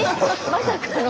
まさかの？